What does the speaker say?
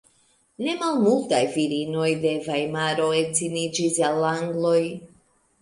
Ne malmultaj virinoj de Vajmaro edziniĝis al angloj.